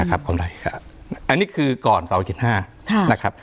อันนี้คือก่อน๑๒๔๕นะครับ